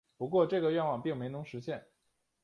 不过这个愿望并没能实现。